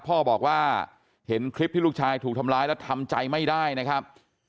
พ่อบอกว่าเห็นคลิปที่ลูกชายถูกทำร้ายแล้วทำใจไม่ได้นะครับ